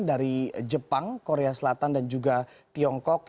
dari jepang korea selatan dan juga tiongkok